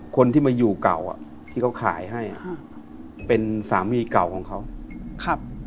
คนที่มาอยู่เก่าอ่ะที่เขาขายให้อ่ะเป็นสามีเก่าของเขาครับ